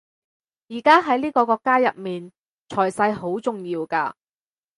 而家喺呢個國家入面財勢好重要㗎